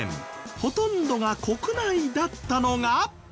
ほとんどが国内だったのが。